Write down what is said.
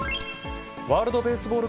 ワールドベースボール